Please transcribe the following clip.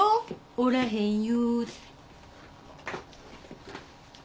おらへんよーだ。